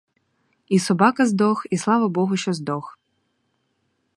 І собака здох, і слава богу, що здох.